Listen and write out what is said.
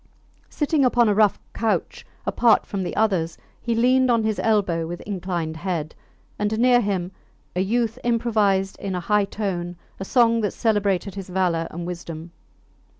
Sitting upon a rough couch apart from the others, he leaned on his elbow with inclined head; and near him a youth improvised in a high tone a song that celebrated his valour and wisdom.